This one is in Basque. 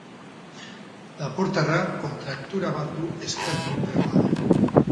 Lapurtarra kontraktura bat du ezker gluteoan.